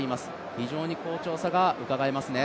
非常に好調さがうかがえますね。